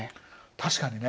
確かにね。